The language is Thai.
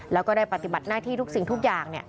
แล้วก็ได้ปฏิบัติหน้าที่ทุกสิ่งทุกอย่าง